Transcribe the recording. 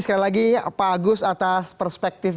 sekali lagi pak agus atas perspektif